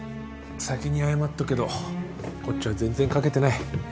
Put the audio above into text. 先に謝っとくけどこっちは全然書けてない。